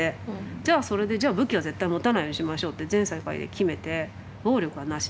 じゃあそれで「じゃあ武器は絶対に持たないようにしましょう」って全世界で決めて「暴力はなし。